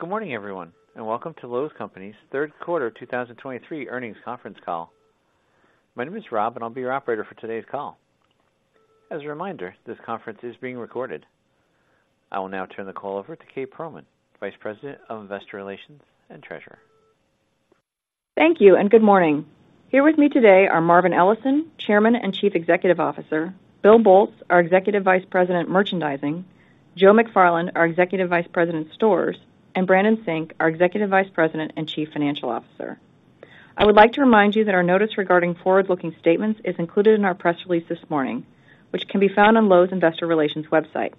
Good morning, everyone, and welcome to Lowe's Companies' third quarter of 2023 earnings conference call. My name is Rob, and I'll be your operator for today's call. As a reminder, this conference is being recorded. I will now turn the call over to Kate Pearlman, Vice President of Investor Relations and Treasurer. Thank you, and good morning. Here with me today are Marvin Ellison, Chairman and Chief Executive Officer, Bill Boltz, our Executive Vice President, Merchandising, Joe McFarland, our Executive Vice President, Stores, and Brandon Sink, our Executive Vice President and Chief Financial Officer. I would like to remind you that our notice regarding forward-looking statements is included in our press release this morning, which can be found on Lowe's Investor Relations website.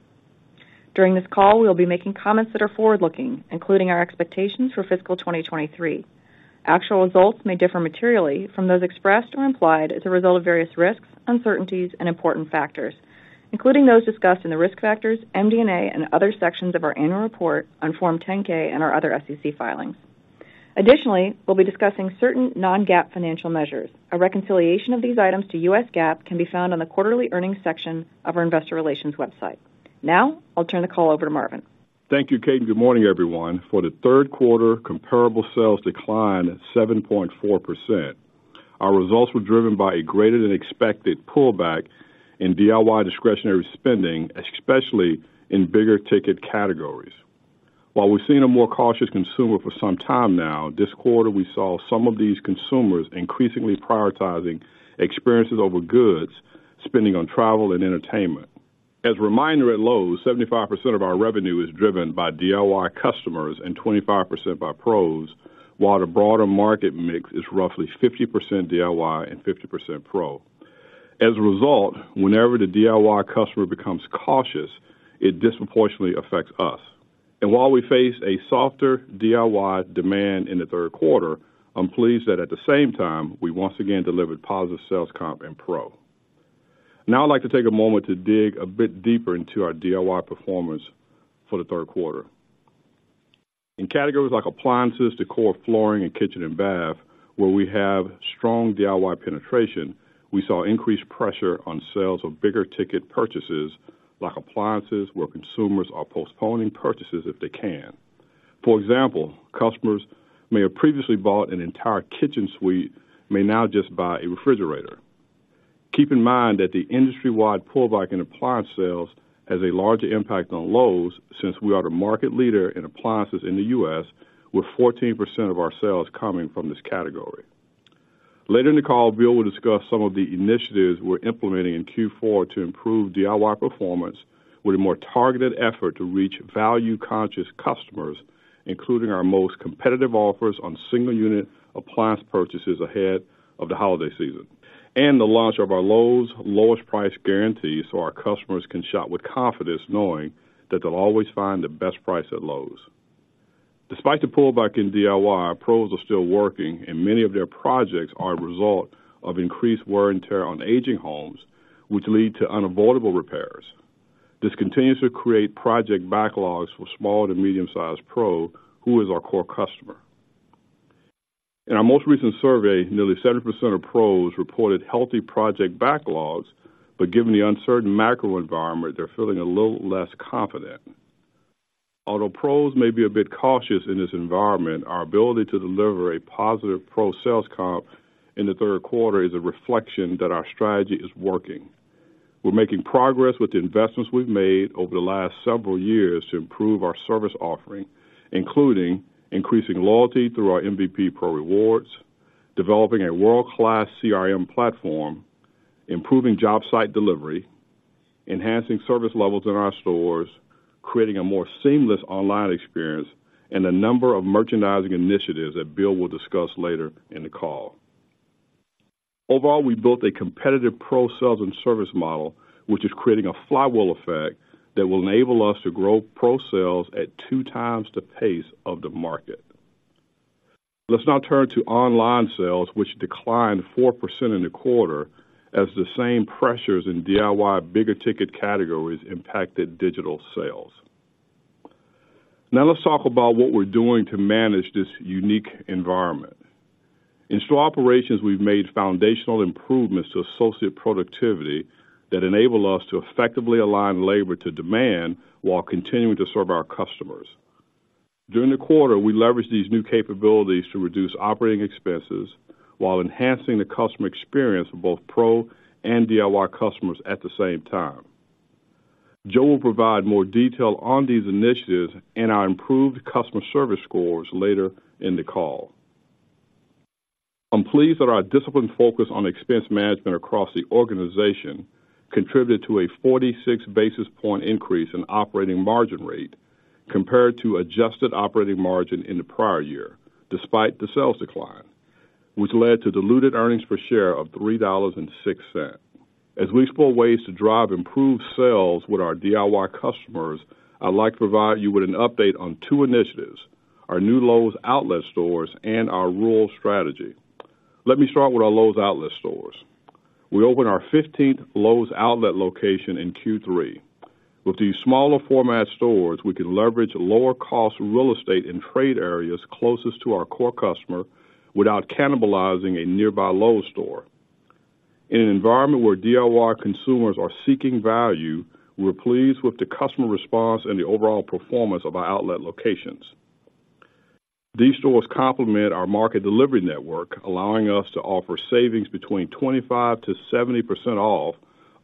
During this call, we'll be making comments that are forward-looking, including our expectations for fiscal 2023. Actual results may differ materially from those expressed or implied as a result of various risks, uncertainties, and important factors, including those discussed in the Risk Factors, MD&A, and other sections of our Annual Report on Form 10-K and our other SEC filings. Additionally, we'll be discussing certain non-GAAP financial measures. A reconciliation of these items to U.S. GAAP can be found on the Quarterly Earnings section of our Investor Relations website. Now, I'll turn the call over to Marvin. Thank you, Kate, and good morning, everyone. For the third quarter, comparable sales declined 7.4%. Our results were driven by a greater-than-expected pullback in DIY discretionary spending, especially in bigger-ticket categories. While we've seen a more cautious consumer for some time now, this quarter, we saw some of these consumers increasingly prioritizing experiences over goods, spending on travel and entertainment. As a reminder, at Lowe's, 75% of our revenue is driven by DIY customers and 25% by pros, while the broader market mix is roughly 50% DIY and 50% pro. As a result, whenever the DIY customer becomes cautious, it disproportionately affects us and while we face a softer DIY demand in the third quarter, I'm pleased that at the same time, we once again delivered positive sales comp in pro. Now, I'd like to take a moment to dig a bit deeper into our DIY performance for the third quarter. In categories like appliances, decor, flooring, and kitchen and bath, where we have strong DIY penetration, we saw increased pressure on sales of bigger-ticket purchases, like appliances, where consumers are postponing purchases if they can. For example, customers may have previously bought an entire kitchen suite may now just buy a refrigerator. Keep in mind that the industry-wide pullback in appliance sales has a larger impact on Lowe's since we are the market leader in appliances in the U.S., with 14% of our sales coming from this category. Later in the call, Bill will discuss some of the initiatives we're implementing in Q4 to improve DIY performance with a more targeted effort to reach value-conscious customers, including our most competitive offers on single-unit appliance purchases ahead of the holiday season, and the launch of our Lowe's Lowest Price Guarantee, so our customers can shop with confidence, knowing that they'll always find the best price at Lowe's. Despite the pullback in DIY, pros are still working, and many of their projects are a result of increased wear and tear on aging homes, which lead to unavoidable repairs. This continues to create project backlogs for small to medium-sized pro, who is our core customer. In our most recent survey, nearly 70% of pros reported healthy project backlogs, but given the uncertain macro environment, they're feeling a little less confident. Although pros may be a bit cautious in this environment, our ability to deliver a positive pro sales comp in the third quarter is a reflection that our strategy is working. We're making progress with the investments we've made over the last several years to improve our service offering, including increasing loyalty through our MVP Pro Rewards, developing a world-class CRM platform, improving job site delivery, enhancing service levels in our stores, creating a more seamless online experience, and a number of merchandising initiatives that Bill will discuss later in the call. Overall, we built a competitive pro sales and service model, which is creating a flywheel effect that will enable us to grow pro sales at 2x the pace of the market. Let's now turn to online sales, which declined 4% in the quarter, as the same pressures in DIY bigger-ticket categories impacted digital sales. Now, let's talk about what we're doing to manage this unique environment. In store operations, we've made foundational improvements to associate productivity that enable us to effectively align labor to demand while continuing to serve our customers. During the quarter, we leveraged these new capabilities to reduce operating expenses while enhancing the customer experience for both pro and DIY customers at the same time. Joe will provide more detail on these initiatives and our improved customer service scores later in the call. I'm pleased that our disciplined focus on expense management across the organization contributed to a 46 basis point increase in operating margin rate compared to adjusted operating margin in the prior year, despite the sales decline, which led to diluted earnings per share of $3.06. As we explore ways to drive improved sales with our DIY customers, I'd like to provide you with an update on two initiatives: our new Lowe's outlet stores and our rural strategy. Let me start with our Lowe's outlet stores. We opened our 15th Lowe's outlet location in Q3. With these smaller format stores, we can leverage lower-cost real estate in trade areas closest to our core customer without cannibalizing a nearby Lowe's store. In an environment where DIY consumers are seeking value, we're pleased with the customer response and the overall performance of our outlet locations. These stores complement our market delivery network, allowing us to offer savings between 25%-70% off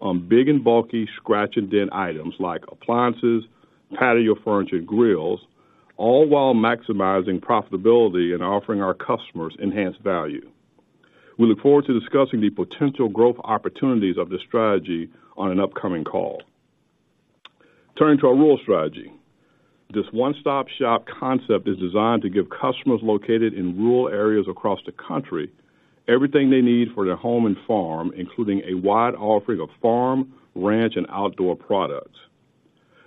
on big and bulky scratch-and-dent items like appliances, patio furniture, and grills, all while maximizing profitability and offering our customers enhanced value. We look forward to discussing the potential growth opportunities of this strategy on an upcoming call. Turning to our rural strategy. This one-stop-shop concept is designed to give customers located in rural areas across the country everything they need for their home and farm, including a wide offering of farm, ranch, and outdoor products.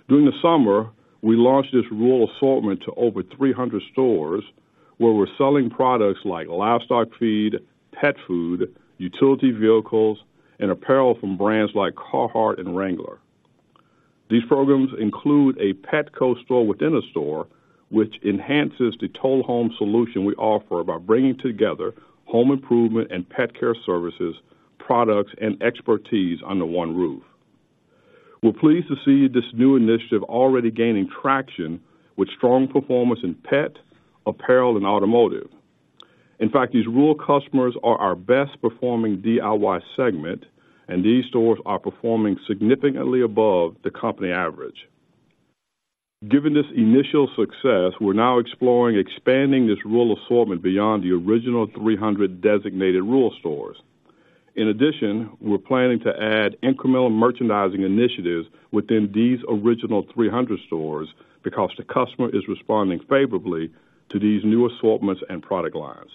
During the summer, we launched this rural assortment to over 300 stores, where we're selling products like livestock feed, pet food, utility vehicles, and apparel from brands like Carhartt and Wrangler. These programs include a Petco store within a store, which enhances the Total Home solution we offer by bringing together home improvement and pet care services, products, and expertise under one roof. We're pleased to see this new initiative already gaining traction with strong performance in pet, apparel, and automotive. In fact, these rural customers are our best-performing DIY segment, and these stores are performing significantly above the company average. Given this initial success, we're now exploring expanding this rural assortment beyond the original 300 designated rural stores. In addition, we're planning to add incremental merchandising initiatives within these original 300 stores because the customer is responding favorably to these new assortments and product lines.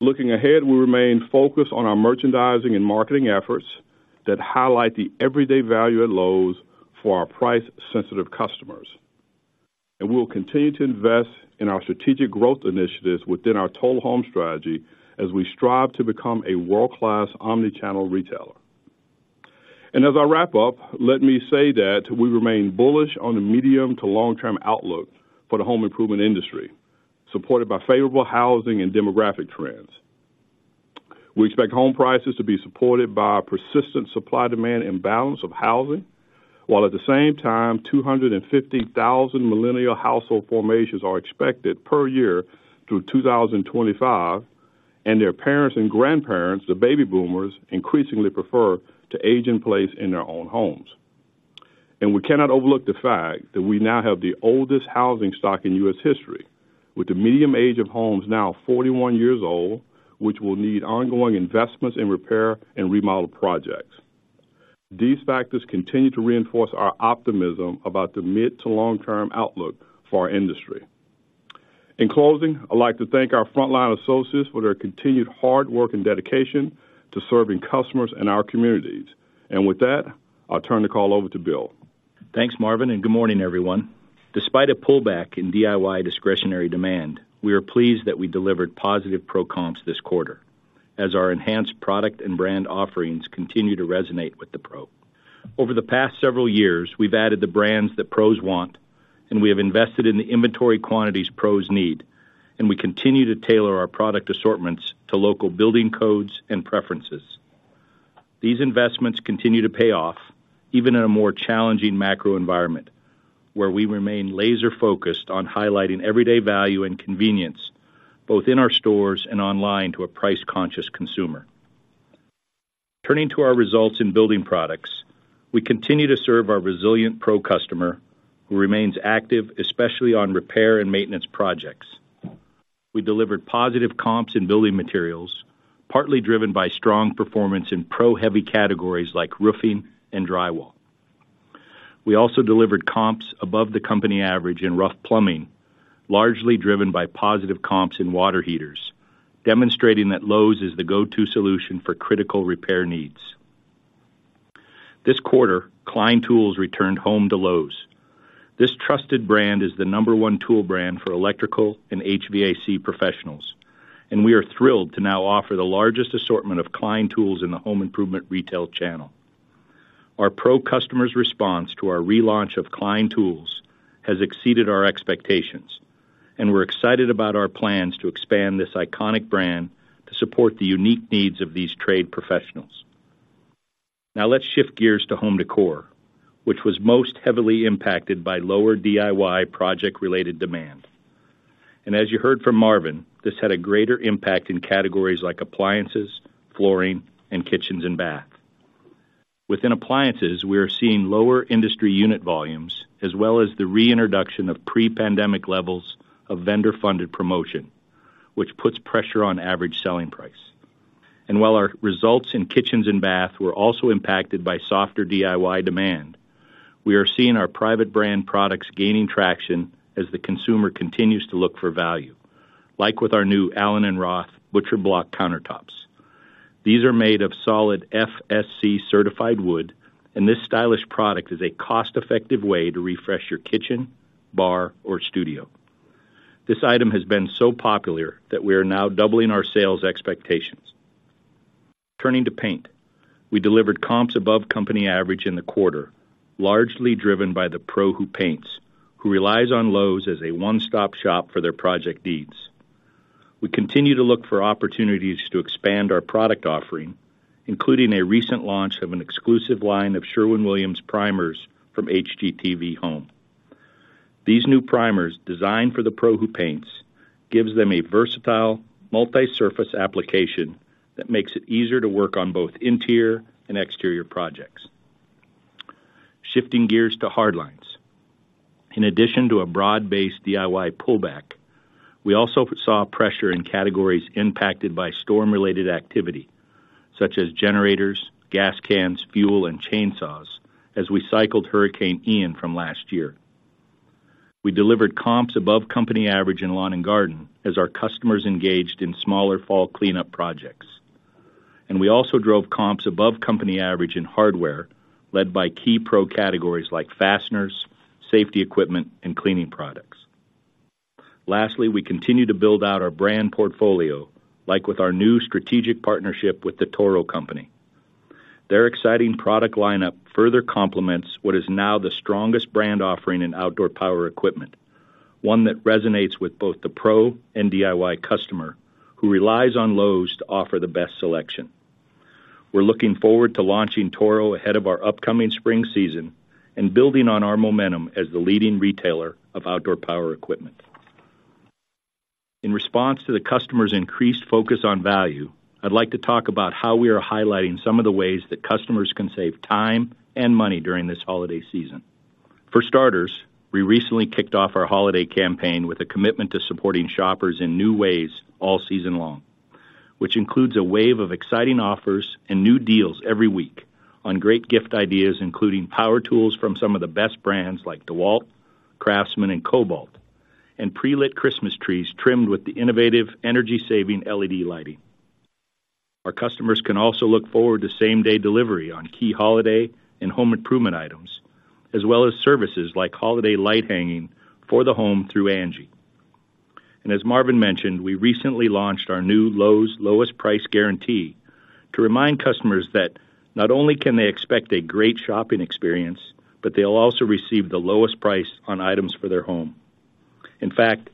Looking ahead, we remain focused on our merchandising and marketing efforts that highlight the everyday value at Lowe's for our price-sensitive customers. We will continue to invest in our strategic growth initiatives within our Total Home Strategy as we strive to become a world-class omni-channel retailer. As I wrap up, let me say that we remain bullish on the medium to long-term outlook for the home improvement industry, supported by favorable housing and demographic trends. We expect home prices to be supported by a persistent supply-demand imbalance of housing, while at the same time, 250,000 millennial household formations are expected per year through 2025, and their parents and grandparents, the baby boomers, increasingly prefer to age in place in their own homes. And we cannot overlook the fact that we now have the oldest housing stock in U.S. history, with the median age of homes now 41 years old, which will need ongoing investments in repair and remodel projects. These factors continue to reinforce our optimism about the mid to long-term outlook for our industry. In closing, I'd like to thank our frontline associates for their continued hard work and dedication to serving customers in our communities. And with that, I'll turn the call over to Bill. Thanks, Marvin, and good morning, everyone. Despite a pullback in DIY discretionary demand, we are pleased that we delivered positive Pro comps this quarter, as our enhanced product and brand offerings continue to resonate with the Pro. Over the past several years, we've added the brands that Pros want, and we have invested in the inventory quantities Pros need, and we continue to tailor our product assortments to local building codes and preferences. These investments continue to pay off, even in a more challenging macro environment, where we remain laser-focused on highlighting everyday value and convenience, both in our stores and online, to a price-conscious consumer. Turning to our results in building products, we continue to serve our resilient Pro customer, who remains active, especially on repair and maintenance projects. We delivered positive comps in building materials, partly driven by strong performance in Pro-heavy categories like roofing and drywall. We also delivered comps above the company average in rough plumbing, largely driven by positive comps in water heaters, demonstrating that Lowe's is the go-to solution for critical repair needs. This quarter, Klein Tools returned home to Lowe's. This trusted brand is the number one tool brand for electrical and HVAC professionals, and we are thrilled to now offer the largest assortment of Klein Tools in the home improvement retail channel. Our Pro customers' response to our relaunch of Klein Tools has exceeded our expectations, and we're excited about our plans to expand this iconic brand to support the unique needs of these trade professionals. Now let's shift gears to home décor, which was most heavily impacted by lower DIY project-related demand. And as you heard from Marvin, this had a greater impact in categories like appliances, flooring, and kitchens and bath. Within appliances, we are seeing lower industry unit volumes, as well as the reintroduction of pre-pandemic levels of vendor-funded promotion, which puts pressure on average selling price. While our results in kitchens and bath were also impacted by softer DIY demand, we are seeing our private brand products gaining traction as the consumer continues to look for value, like with our new Allen + Roth butcher block countertops. These are made of solid FSC-certified wood, and this stylish product is a cost-effective way to refresh your kitchen, bar, or studio. This item has been so popular that we are now doubling our sales expectations. Turning to paint. We delivered comps above company average in the quarter, largely driven by the pro who paints, who relies on Lowe's as a one-stop shop for their project needs. We continue to look for opportunities to expand our product offering, including a recent launch of an exclusive line of Sherwin-Williams primers from HGTV Home. These new primers, designed for the pro who paints, gives them a versatile multi-surface application that makes it easier to work on both interior and exterior projects. Shifting gears to hard lines. In addition to a broad-based DIY pullback, we also saw pressure in categories impacted by storm-related activity, such as generators, gas cans, fuel, and chainsaws, as we cycled Hurricane Ian from last year. We delivered comps above company average in lawn and garden as our customers engaged in smaller fall cleanup projects. And we also drove comps above company average in hardware, led by key pro categories like fasteners, safety equipment, and cleaning products. Lastly, we continue to build out our brand portfolio, like with our new strategic partnership with The Toro Company. Their exciting product lineup further complements what is now the strongest brand offering in outdoor power equipment, one that resonates with both the pro and DIY customer, who relies on Lowe's to offer the best selection. We're looking forward to launching Toro ahead of our upcoming spring season and building on our momentum as the leading retailer of outdoor power equipment. In response to the customer's increased focus on value, I'd like to talk about how we are highlighting some of the ways that customers can save time and money during this holiday season. For starters, we recently kicked off our holiday campaign with a commitment to supporting shoppers in new ways all season long, which includes a wave of exciting offers and new deals every week on great gift ideas, including power tools from some of the best brands like DeWalt, Craftsman, and Kobalt, and pre-lit Christmas trees trimmed with the innovative energy-saving LED lighting. Our customers can also look forward to same-day delivery on key holiday and home improvement items, as well as services like holiday light hanging for the home through Angi. As Marvin mentioned, we recently launched our new Lowe's Lowest Price Guarantee to remind customers that not only can they expect a great shopping experience, but they'll also receive the lowest price on items for their home. In fact,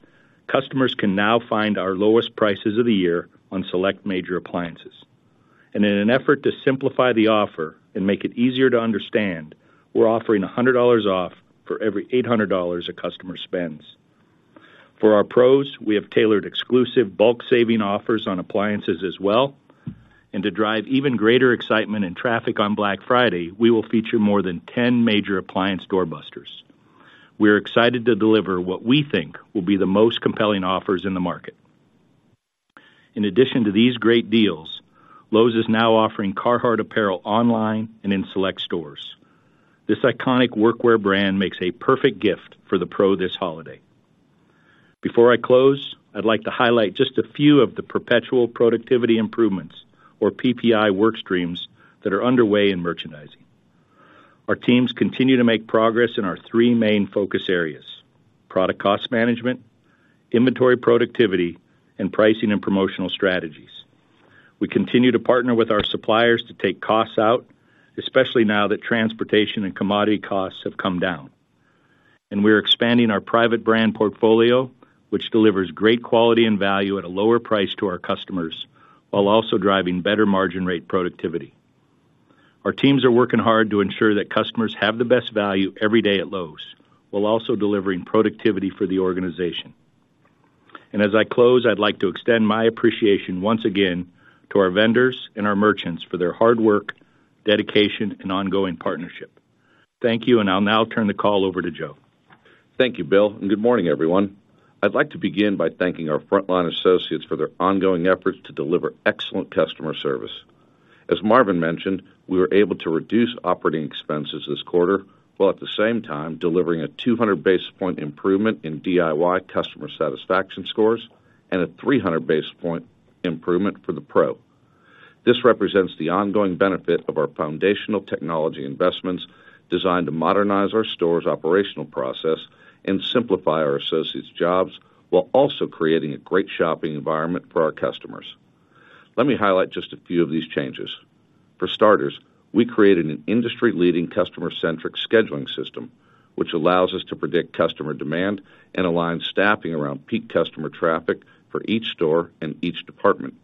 customers can now find our lowest prices of the year on select major appliances. In an effort to simplify the offer and make it easier to understand, we're offering $100 off for every $800 a customer spends. For our Pros, we have tailored exclusive bulk savings offers on appliances as well. To drive even greater excitement and traffic on Black Friday, we will feature more than 10 major appliance doorbusters. We are excited to deliver what we think will be the most compelling offers in the market. In addition to these great deals, Lowe's is now offering Carhartt apparel online and in select stores. This iconic workwear brand makes a perfect gift for the Pro this holiday. Before I close, I'd like to highlight just a few of the Perpetual Productivity Improvements, or PPI work streams, that are underway in merchandising. Our teams continue to make progress in our three main focus areas: product cost management, inventory, productivity, and pricing and promotional strategies. We continue to partner with our suppliers to take costs out, especially now that transportation and commodity costs have come down. We are expanding our private brand portfolio, which delivers great quality and value at a lower price to our customers, while also driving better margin rate productivity. Our teams are working hard to ensure that customers have the best value every day at Lowe's, while also delivering productivity for the organization. As I close, I'd like to extend my appreciation once again to our vendors and our merchants for their hard work, dedication, and ongoing partnership. Thank you, and I'll now turn the call over to Joe. Thank you, Bill, and good morning, everyone. I'd like to begin by thanking our frontline associates for their ongoing efforts to deliver excellent customer service. As Marvin mentioned, we were able to reduce operating expenses this quarter, while at the same time delivering a 200 basis point improvement in DIY customer satisfaction scores and a 300 basis point improvement for the pro. This represents the ongoing benefit of our foundational technology investments designed to modernize our store's operational process and simplify our associates' jobs while also creating a great shopping environment for our customers. Let me highlight just a few of these changes. For starters, we created an industry-leading customer-centric scheduling system, which allows us to predict customer demand and align staffing around peak customer traffic for each store and each department.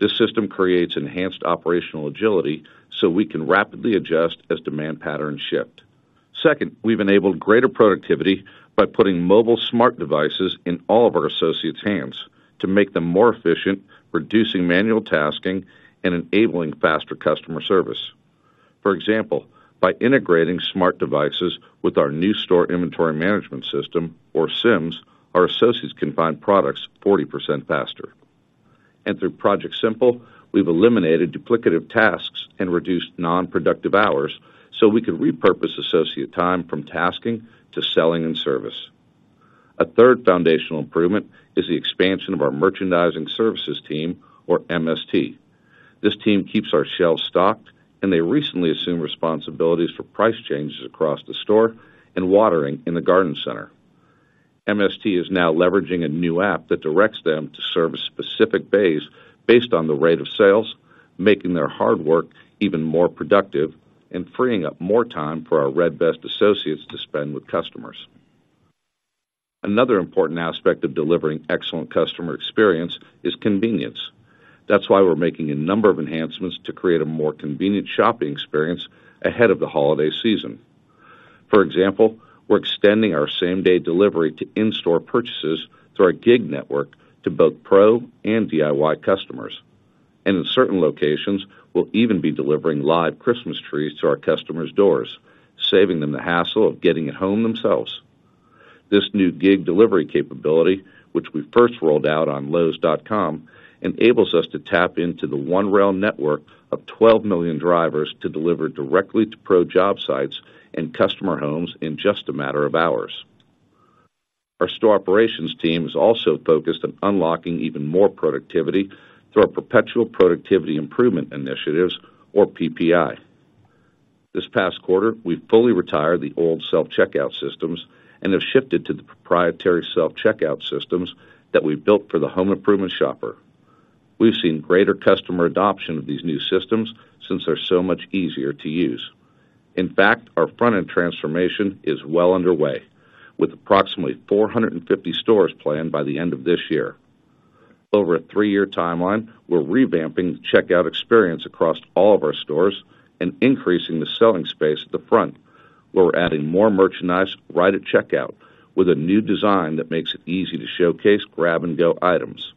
This system creates enhanced operational agility, so we can rapidly adjust as demand patterns shift. Second, we've enabled greater productivity by putting mobile smart devices in all of our associates' hands to make them more efficient, reducing manual tasking and enabling faster customer service. For example, by integrating smart devices with our new Store Inventory Management System, or SIMS, our associates can find products 40% faster. Through Project Simple, we've eliminated duplicative tasks and reduced non-productive hours, so we can repurpose associate time from tasking to selling and service. A third foundational improvement is the expansion of our Merchandising Services Team, or MST. This team keeps our shelves stocked, and they recently assumed responsibilities for price changes across the store and watering in the garden center... MST is now leveraging a new app that directs them to serve a specific base based on the rate of sales, making their hard work even more productive and freeing up more time for our Red Vest associates to spend with customers. Another important aspect of delivering excellent customer experience is convenience. That's why we're making a number of enhancements to create a more convenient shopping experience ahead of the holiday season. For example, we're extending our same-day delivery to in-store purchases through our gig network to both Pro and DIY customers. In certain locations, we'll even be delivering live Christmas trees to our customers' doors, saving them the hassle of getting it home themselves. This new gig delivery capability, which we first rolled out on lowes.com, enables us to tap into the OneRail network of 12 million drivers to deliver directly to Pro job sites and customer homes in just a matter of hours. Our store operations team is also focused on unlocking even more productivity through our perpetual productivity improvement initiatives or PPI. This past quarter, we've fully retired the old self-checkout systems and have shifted to the proprietary self-checkout systems that we built for the home improvement shopper. We've seen greater customer adoption of these new systems since they're so much easier to use. In fact, our front-end transformation is well underway, with approximately 450 stores planned by the end of this year. Over a three-year timeline, we're revamping the checkout experience across all of our stores and increasing the selling space at the front, where we're adding more merchandise right at checkout, with a new design that makes it easy to showcase grab-and-go items.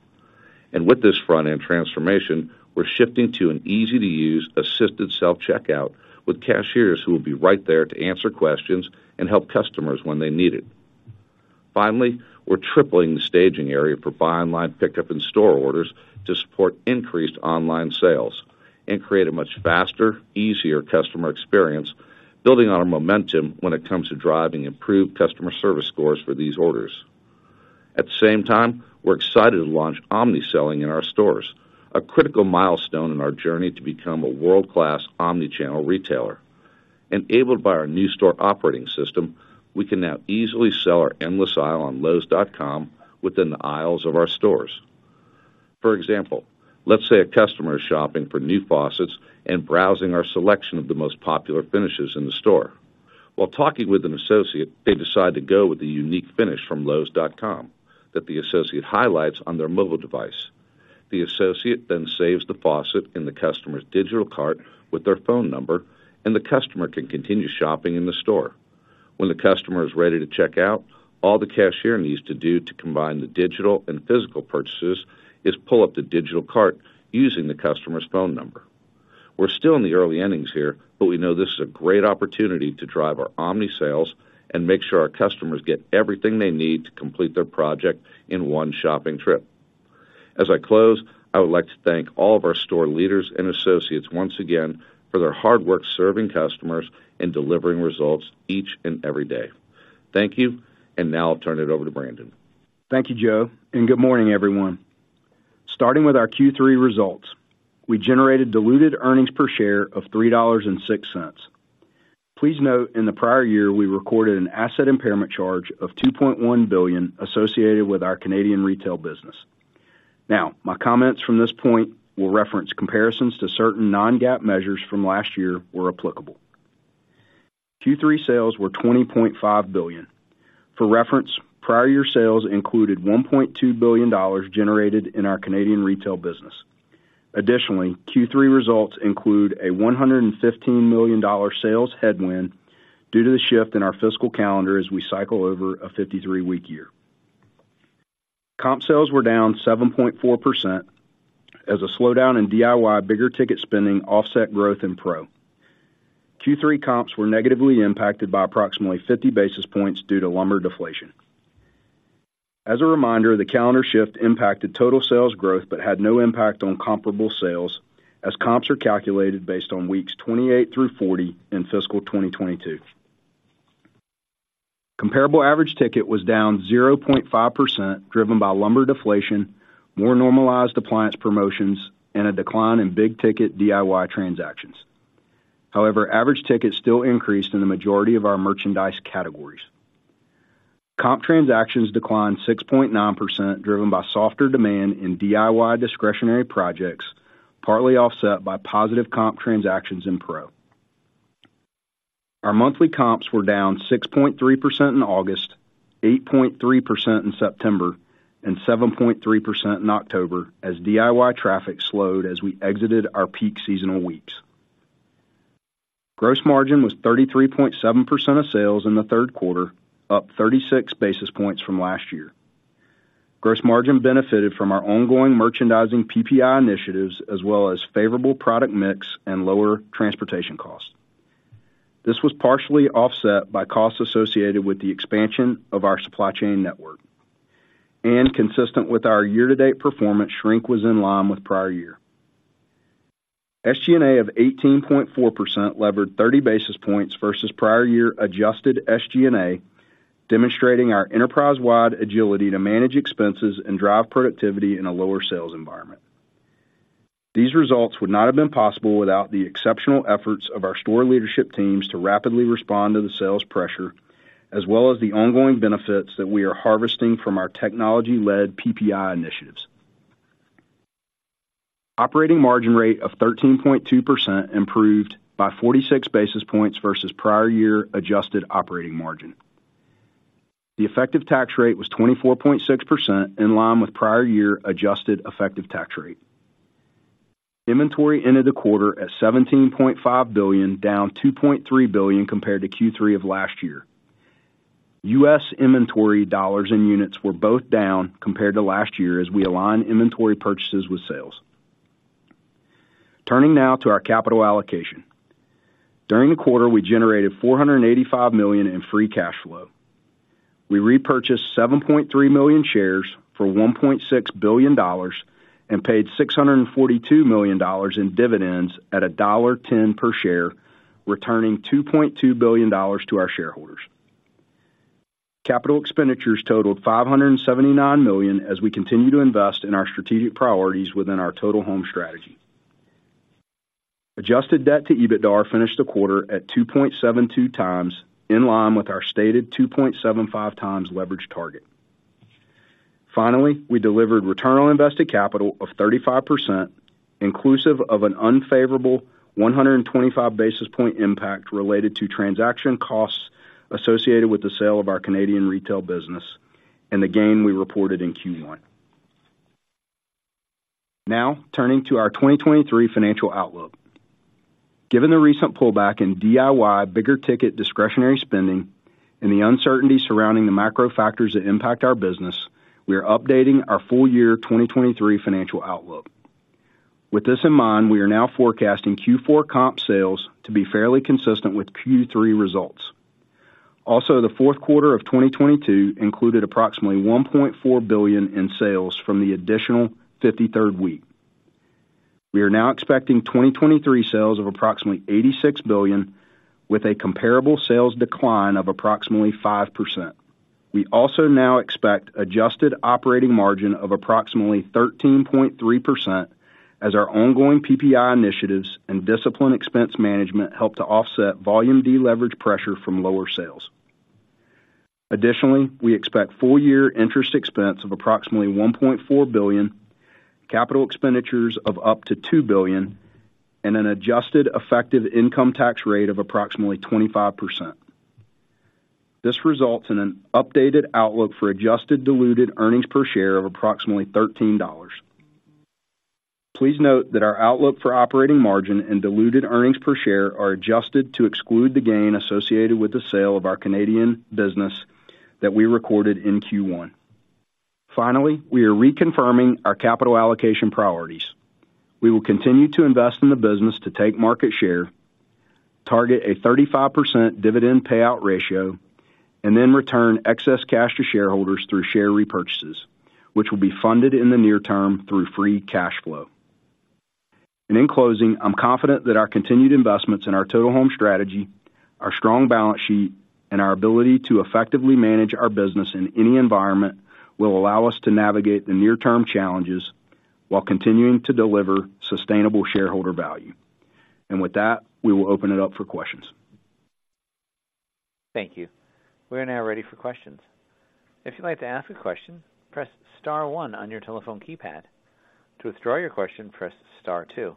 And with this front-end transformation, we're shifting to an easy-to-use assisted self-checkout, with cashiers who will be right there to answer questions and help customers when they need it. Finally, we're tripling the staging area for Buy Online Pickup in Store orders to support increased online sales and create a much faster, easier customer experience, building on our momentum when it comes to driving improved customer service scores for these orders. At the same time, we're excited to launch omni-selling in our stores, a critical milestone in our journey to become a world-class omnichannel retailer. Enabled by our new store operating system, we can now easily sell our endless aisle on lowes.com within the aisles of our stores. For example, let's say a customer is shopping for new faucets and browsing our selection of the most popular finishes in the store. While talking with an associate, they decide to go with a unique finish from lowes.com that the associate highlights on their mobile device. The associate then saves the faucet in the customer's digital cart with their phone number, and the customer can continue shopping in the store. When the customer is ready to check out, all the cashier needs to do to combine the digital and physical purchases is pull up the digital cart using the customer's phone number. We're still in the early innings here, but we know this is a great opportunity to drive our omni-sales and make sure our customers get everything they need to complete their project in one shopping trip. As I close, I would like to thank all of our store leaders and associates once again for their hard work serving customers and delivering results each and every day. Thank you, and now I'll turn it over to Brandon. Thank you, Joe, and good morning, everyone. Starting with our Q3 results, we generated diluted earnings per share of $3.06. Please note, in the prior year, we recorded an asset impairment charge of $2.1 billion associated with our Canadian retail business. Now, my comments from this point will reference comparisons to certain non-GAAP measures from last year where applicable. Q3 sales were $20.5 billion. For reference, prior year sales included $1.2 billion generated in our Canadian retail business. Additionally, Q3 results include a $115 million sales headwind due to the shift in our fiscal calendar as we cycle over a 53-week year. Comp sales were down 7.4% as a slowdown in DIY bigger ticket spending offset growth in Pro. Q3 comps were negatively impacted by approximately 50 basis points due to lumber deflation. As a reminder, the calendar shift impacted total sales growth, but had no impact on comparable sales, as comps are calculated based on weeks 28 through 40 in fiscal 2022. Comparable average ticket was down 0.5%, driven by lumber deflation, more normalized appliance promotions, and a decline in big-ticket DIY transactions. However, average tickets still increased in the majority of our merchandise categories. Comp transactions declined 6.9%, driven by softer demand in DIY discretionary projects, partly offset by positive comp transactions in Pro. Our monthly comps were down 6.3% in August, 8.3% in September, and 7.3% in October as DIY traffic slowed as we exited our peak seasonal weeks. Gross margin was 33.7% of sales in the third quarter, up 36 basis points from last year. Gross margin benefited from our ongoing merchandising PPI initiatives, as well as favorable product mix and lower transportation costs. This was partially offset by costs associated with the expansion of our supply chain network. Consistent with our year-to-date performance, shrink was in line with prior year. SG&A of 18.4% levered 30 basis points versus prior year adjusted SG&A, demonstrating our enterprise-wide agility to manage expenses and drive productivity in a lower sales environment. These results would not have been possible without the exceptional efforts of our store leadership teams to rapidly respond to the sales pressure, as well as the ongoing benefits that we are harvesting from our technology-led PPI initiatives. Operating margin rate of 13.2% improved by 46 basis points versus prior year adjusted operating margin. The effective tax rate was 24.6%, in line with prior year adjusted effective tax rate. Inventory ended the quarter at $17.5 billion, down $2.3 billion compared to Q3 of last year. US inventory dollars and units were both down compared to last year as we align inventory purchases with sales. Turning now to our capital allocation. During the quarter, we generated $485 million in free cash flow. We repurchased 7.3 million shares for $1.6 billion and paid $642 million in dividends at $1.10 per share, returning $2.2 billion to our shareholders. Capital expenditures totaled $579 million as we continue to invest in our strategic priorities within our Total Home Strategy. Adjusted debt to EBITDA finished the quarter at 2.72 times, in line with our stated 2.75 times leverage target. Finally, we delivered return on invested capital of 35%, inclusive of an unfavorable 125 basis point impact related to transaction costs associated with the sale of our Canadian retail business and the gain we reported in Q1. Now, turning to our 2023 financial outlook. Given the recent pullback in DIY bigger ticket discretionary spending and the uncertainty surrounding the macro factors that impact our business, we are updating our full year 2023 financial outlook. With this in mind, we are now forecasting Q4 comp sales to be fairly consistent with Q3 results. Also, the fourth quarter of 2022 included approximately $1.4 billion in sales from the additional 53rd week. We are now expecting 2023 sales of approximately $86 billion, with a comparable sales decline of approximately 5%. We also now expect adjusted operating margin of approximately 13.3% as our ongoing PPI initiatives and discipline expense management help to offset volume deleverage pressure from lower sales. Additionally, we expect full year interest expense of approximately $1.4 billion, capital expenditures of up to $2 billion, and an adjusted effective income tax rate of approximately 25%. This results in an updated outlook for adjusted diluted earnings per share of approximately $13. Please note that our outlook for operating margin and diluted earnings per share are adjusted to exclude the gain associated with the sale of our Canadian business that we recorded in Q1. Finally, we are reconfirming our capital allocation priorities. We will continue to invest in the business to take market share, target a 35% dividend payout ratio, and then return excess cash to shareholders through share repurchases, which will be funded in the near term through free cash flow. And in closing, I'm confident that our continued investments in our Total Home Strategy, our strong balance sheet, and our ability to effectively manage our business in any environment, will allow us to navigate the near-term challenges while continuing to deliver sustainable shareholder value. And with that, we will open it up for questions. Thank you. We are now ready for questions. If you'd like to ask a question, press star one on your telephone keypad. To withdraw your question, press star two.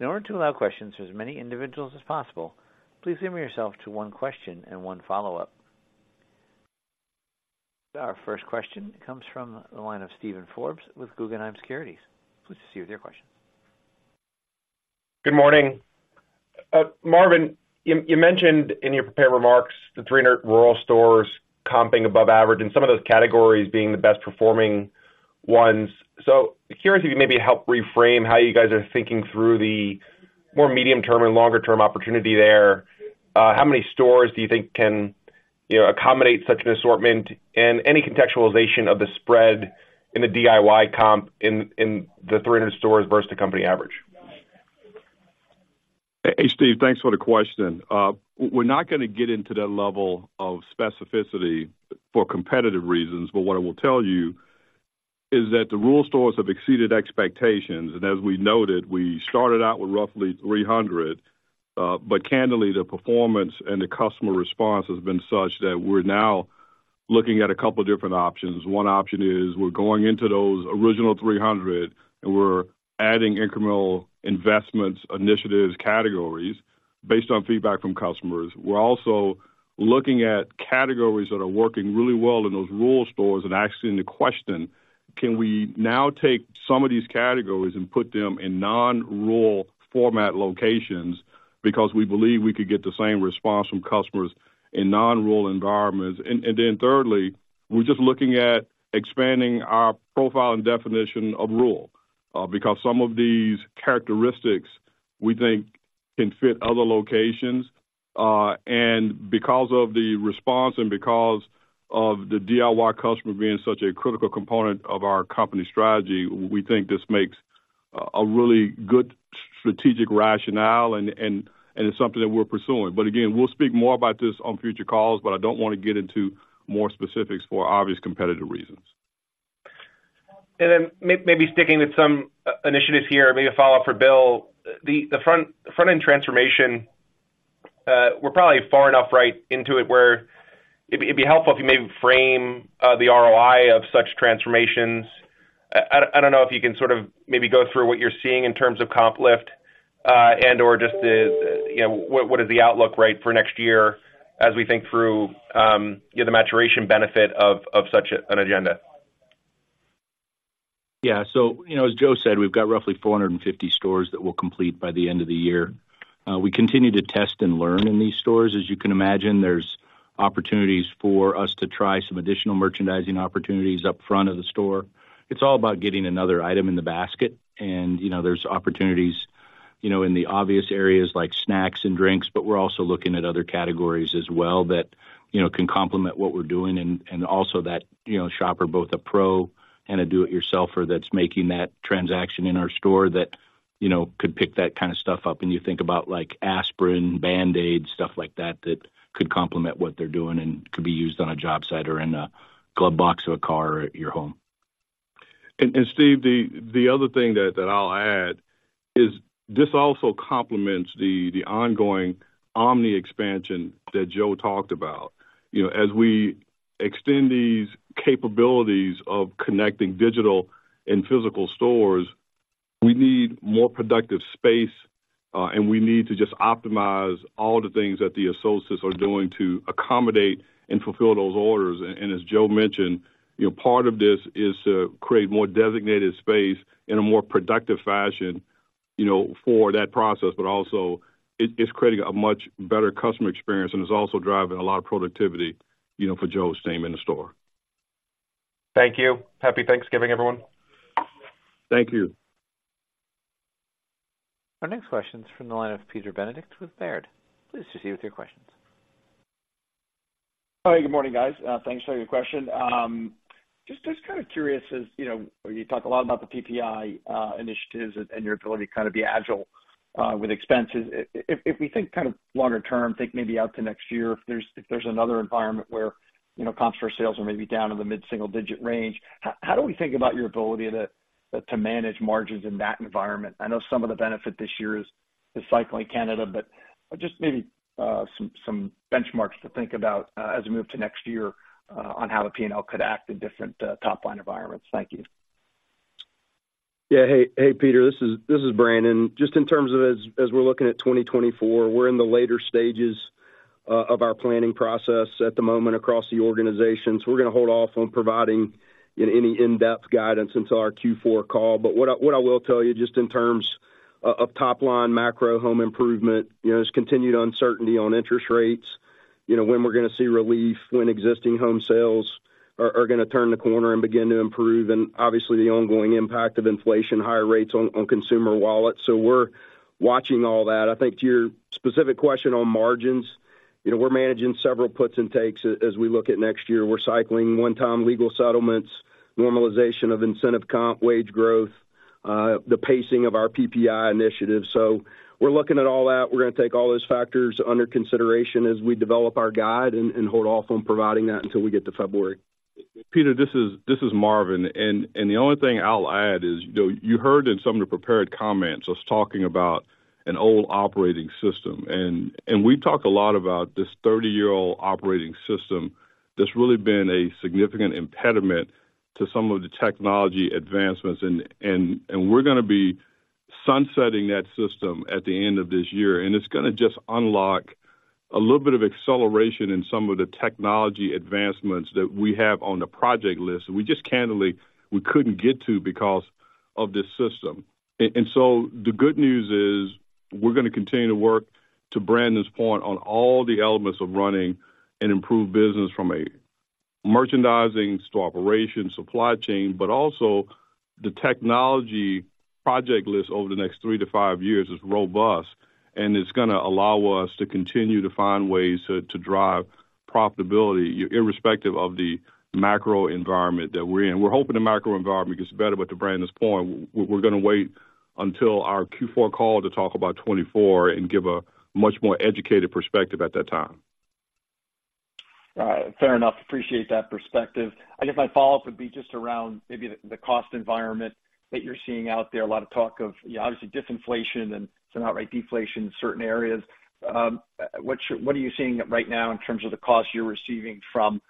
In order to allow questions to as many individuals as possible, please limit yourself to one question and one follow-up. Our first question comes from the line of Steven Forbes with Guggenheim Securities. Please proceed with your question. Good morning. Marvin, you mentioned in your prepared remarks the 300 rural stores comping above average and some of those categories being the best performing ones. So curious if you maybe help reframe how you guys are thinking through the more medium-term and longer-term opportunity there. How many stores do you think can, you know, accommodate such an assortment? And any contextualization of the spread in the DIY comp in the 300 stores versus the company average? Hey, Steve, thanks for the question. We're not going to get into that level of specificity for competitive reasons, but what I will tell you is that the rural stores have exceeded expectations, and as we noted, we started out with roughly 300, but candidly, the performance and the customer response has been such that we're now looking at a couple different options. One option is we're going into those original 300, and we're adding incremental investments, initiatives, categories based on feedback from customers. We're also looking at categories that are working really well in those rural stores and asking the question: Can we now take some of these categories and put them in non-rural format locations? Because we believe we could get the same response from customers in non-rural environments. Then thirdly, we're just looking at expanding our profile and definition of rural, because some of these characteristics, we think can fit other locations. And because of the response and because of the DIY customer being such a critical component of our company strategy, we think this makes a really good strategic rationale, and it's something that we're pursuing. But again, we'll speak more about this on future calls, but I don't want to get into more specifics for obvious competitive reasons. Maybe sticking with some initiatives here, maybe a follow-up for Bill. The front-end transformation, we're probably far enough right into it, where it'd be helpful if you maybe frame the ROI of such transformations. I don't know if you can sort of maybe go through what you're seeing in terms of comp lift, and/or just the, you know, what is the outlook, right, for next year as we think through, you know, the maturation benefit of such an agenda? Yeah, so, you know, as Joe said, we've got roughly 450 stores that we'll complete by the end of the year. We continue to test and learn in these stores. As you can imagine, there's opportunities for us to try some additional merchandising opportunities up front of the store. It's all about getting another item in the basket. And, you know, there's opportunities, you know, in the obvious areas like snacks and drinks, but we're also looking at other categories as well that, you know, can complement what we're doing, and, and also that, you know, shopper, both a pro and a do-it-yourselfer, that's making that transaction in our store that, you know, could pick that kind of stuff up. You think about, like, aspirin, Band-Aids, stuff like that, that could complement what they're doing and could be used on a job site or in a glove box of a car or at your home. And, Steve, the other thing that I'll add is this also complements the ongoing omni expansion that Joe talked about. You know, as we extend these capabilities of connecting digital and physical stores, we need more productive space, and we need to just optimize all the things that the associates are doing to accommodate and fulfill those orders. And as Joe mentioned, you know, part of this is to create more designated space in a more productive fashion, you know, for that process, but also it's creating a much better customer experience, and it's also driving a lot of productivity, you know, for Joe's team in the store. Thank you. Happy Thanksgiving, everyone. Thank you. Our next question is from the line of Peter Benedict with Baird. Please proceed with your questions. Hi, good morning, guys. Thanks for taking the question. Just, just kind of curious, as you know, you talk a lot about the PPI initiatives and your ability to kind of be agile with expenses. If we think kind of longer term, think maybe out to next year, if there's another environment where, you know, comps for sales are maybe down in the mid-single digit range, how do we think about your ability to manage margins in that environment? I know some of the benefit this year is cycling Canada, but just maybe some benchmarks to think about as we move to next year on how the P&L could act in different top-line environments. Thank you. Yeah. Hey, hey, Peter, this is, this is Brandon. Just in terms of as, as we're looking at 2024, we're in the later stages of our planning process at the moment across the organization. So we're going to hold off on providing, you know, any in-depth guidance until our Q4 call. But what I, what I will tell you, just in terms of top line macro home improvement, you know, there's continued uncertainty on interest rates. You know, when we're going to see relief, when existing home sales are, are going to turn the corner and begin to improve, and obviously, the ongoing impact of inflation, higher rates on, on consumer wallets. So we're watching all that. I think to your specific question on margins, you know, we're managing several puts and takes as, as we look at next year. We're cycling one-time legal settlements, normalization of incentive comp, wage growth, the pacing of our PPI initiative. So we're looking at all that. We're going to take all those factors under consideration as we develop our guide and, and hold off on providing that until we get to February. Peter, this is Marvin. And the only thing I'll add is, you know, you heard in some of the prepared comments us talking about an old operating system, and we've talked a lot about this 30-year-old operating system. That's really been a significant impediment to some of the technology advancements, and we're going to be sunsetting that system at the end of this year, and it's going to just unlock a little bit of acceleration in some of the technology advancements that we have on the project list. We just candidly couldn't get to because of this system. And so the good news is we're going to continue to work, to Brandon's point, on all the elements of running an improved business from a merchandising store operation, supply chain, but also the technology project list over the next 3-5 years is robust, and it's going to allow us to continue to find ways to drive profitability, irrespective of the macro environment that we're in. We're hoping the macro environment gets better, but to Brandon's point, we're going to wait until our Q4 call to talk about 2024 and give a much more educated perspective at that time. Fair enough. Appreciate that perspective. I guess my follow-up would be just around maybe the cost environment that you're seeing out there. A lot of talk of, you know, obviously disinflation and some outright deflation in certain areas. What are you seeing right now in terms of the cost you're receiving from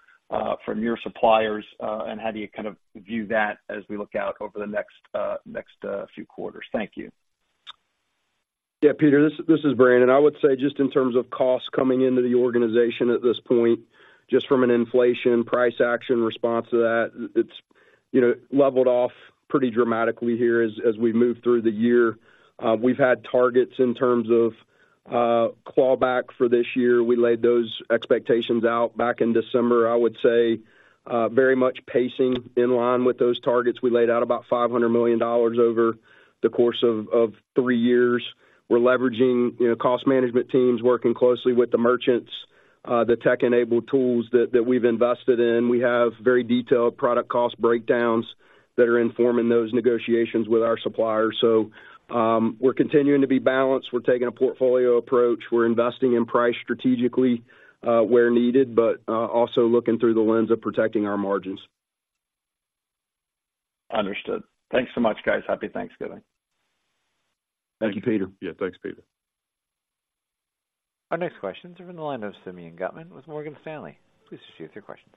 your suppliers? And how do you kind of view that as we look out over the next few quarters? Thank you. Yeah, Peter, this is Brandon. I would say just in terms of cost coming into the organization at this point, just from an inflation price action response to that, it's, you know, leveled off pretty dramatically here as we've moved through the year. We've had targets in terms of clawback for this year. We laid those expectations out back in December. I would say very much pacing in line with those targets. We laid out about $500 million over the course of three years. We're leveraging, you know, cost management teams, working closely with the merchants, the tech-enabled tools that we've invested in. We have very detailed product cost breakdowns that are informing those negotiations with our suppliers. So, we're continuing to be balanced. We're taking a portfolio approach. We're investing in price strategically, where needed, but also looking through the lens of protecting our margins. Understood. Thanks so much, guys. Happy Thanksgiving. Thank you, Peter. Yeah, thanks, Peter. Our next questions are from the line of Simeon Gutman with Morgan Stanley. Please proceed with your questions.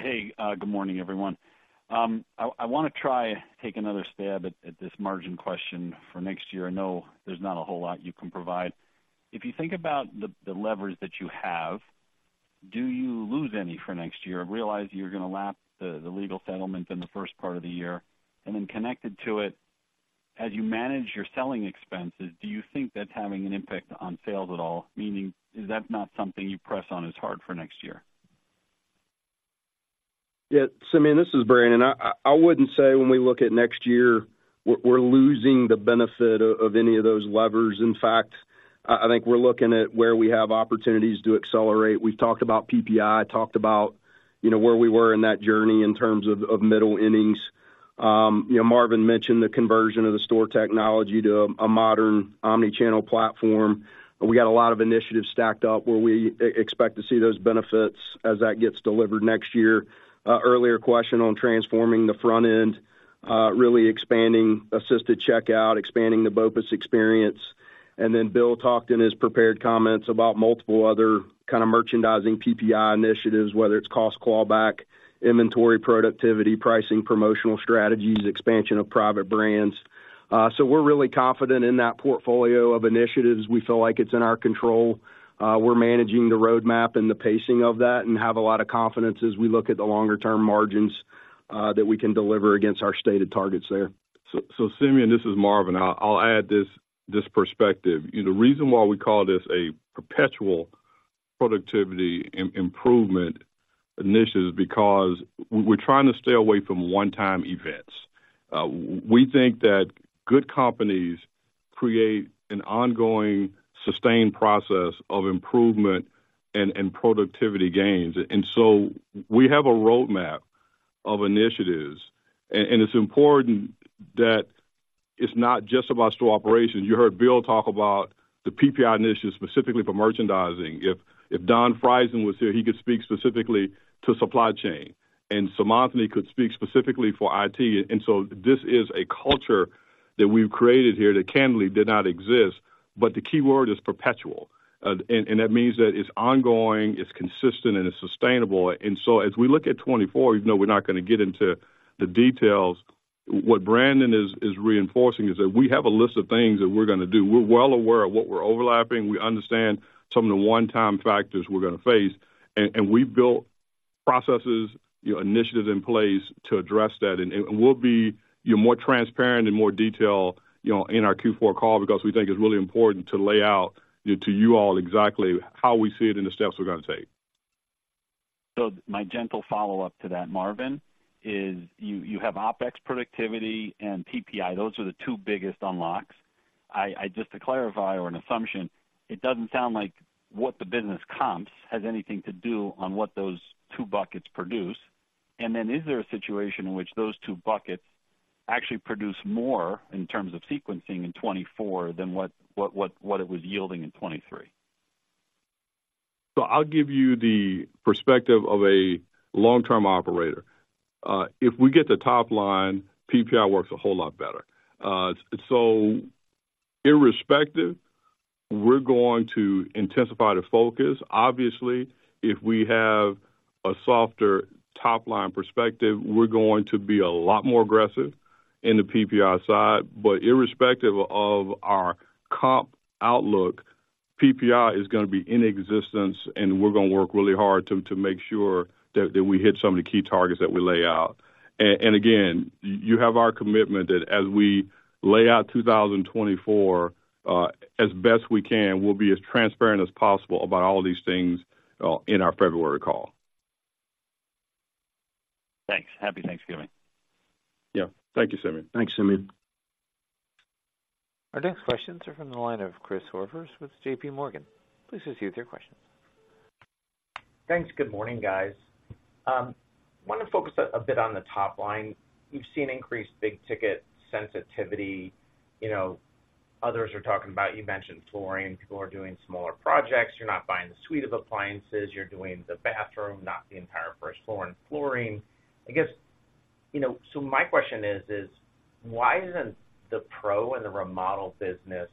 Hey, good morning, everyone. I wanna try take another stab at this margin question for next year. I know there's not a whole lot you can provide. If you think about the levers that you have, do you lose any for next year? I realize you're gonna lap the legal settlement in the first part of the year. And then connected to it, as you manage your selling expenses, do you think that's having an impact on sales at all? Meaning, is that not something you press on as hard for next year? Yeah, Simeon, this is Brandon. I wouldn't say when we look at next year, we're losing the benefit of any of those levers. In fact, I think we're looking at where we have opportunities to accelerate. We've talked about PPI, talked about, you know, where we were in that journey in terms of middle innings. You know, Marvin mentioned the conversion of the store technology to a modern omnichannel platform. We got a lot of initiatives stacked up where we expect to see those benefits as that gets delivered next year. Earlier question on transforming the front end, really expanding assisted checkout, expanding the BOPIS experience. And then Bill talked in his prepared comments about multiple other kinda merchandising PPI initiatives, whether it's cost clawback, inventory, productivity, pricing, promotional strategies, expansion of private brands. So we're really confident in that portfolio of initiatives. We feel like it's in our control. We're managing the roadmap and the pacing of that and have a lot of confidence as we look at the longer term margins, that we can deliver against our stated targets there. So, Simeon, this is Marvin. I'll add this perspective. You know, the reason why we call this a perpetual productivity improvement initiative, because we're trying to stay away from one-time events. We think that good companies create an ongoing, sustained process of improvement and productivity gains. So we have a roadmap of initiatives, and it's important that it's not just about store operations. You heard Bill talk about the PPI initiatives, specifically for merchandising. If Don Frieson was here, he could speak specifically to supply chain, and Seemantini could speak specifically for IT. So this is a culture that we've created here that candidly did not exist, but the key word is perpetual. And that means that it's ongoing, it's consistent, and it's sustainable. So as we look at 2024, even though we're not gonna get into the details, what Brandon is reinforcing is that we have a list of things that we're gonna do. We're well aware of what we're overlapping. We understand some of the one-time factors we're gonna face, and we've built processes, you know, initiatives in place to address that. And we'll be, you know, more transparent and more detailed, you know, in our Q4 call, because we think it's really important to lay out to you all exactly how we see it and the steps we're gonna take. So my gentle follow-up to that, Marvin, is you have OpEx productivity and PPI. Those are the two biggest unlocks. I just to clarify or an assumption, it doesn't sound like what the business comps has anything to do on what those two buckets produce. And then is there a situation in which those two buckets actually produce more in terms of sequencing in 2024 than what it was yielding in 2023? So I'll give you the perspective of a long-term operator. If we get the top line, PPI works a whole lot better. So irrespective, we're going to intensify the focus. Obviously, if we have a softer top-line perspective, we're going to be a lot more aggressive in the PPI side. But irrespective of our comp outlook, PPI is gonna be in existence, and we're gonna work really hard to make sure that we hit some of the key targets that we lay out. Again, you have our commitment that as we lay out 2024, as best we can, we'll be as transparent as possible about all these things in our February call. Thanks. Happy Thanksgiving. Yeah. Thank you, Simeon. Thanks, Simeon. Our next questions are from the line of Chris Horvers with J.P. Morgan. Please proceed with your questions. Thanks. Good morning, guys. Wanna focus a bit on the top line. We've seen increased big ticket sensitivity. You know, others are talking about... You mentioned flooring. People are doing smaller projects. You're not buying the suite of appliances, you're doing the bathroom, not the entire first floor and flooring. I guess, you know, so my question is, why isn't the pro and the remodel business,